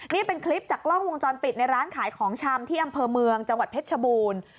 นี่เป็นคลิปจากกล้องวงจรปิดในร้านขายของชำที่อำเภอเมืองจังหวัดเพชรชบูรณ์